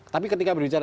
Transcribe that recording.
tapi ketika berbicara